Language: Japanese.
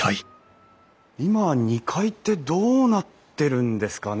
今は２階ってどうなってるんですかね？